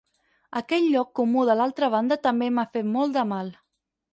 Aquest lloc comú de l'altra banda també m'ha fet molt de mal.